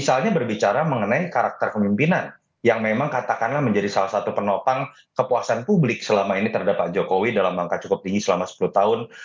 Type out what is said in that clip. misalnya berbicara mengenai karakter kemimpinan yang memang katakanlah menjadi salah satu penopang kepuasan publik selama ini terhadap pak jokowi dalam angka cukup tinggi selama sepuluh tahun